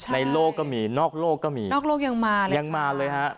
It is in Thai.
ในโลกก็มีนอกโลกก็มีนอกโลกยังมานะยังมาเลยฮะ